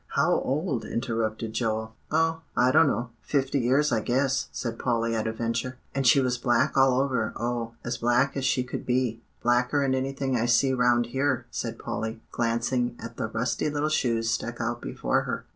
"How old?" interrupted Joel. "Oh! I don't know. Fifty years, I guess," said Polly at a venture. "And she was black all over, oh! as black as she could be blacker'n anything I see round here," said Polly, glancing at the rusty little shoes stuck out before her.